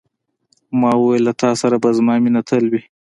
ما وویل، له تا سره به زما مینه تل وي.